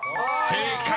［正解！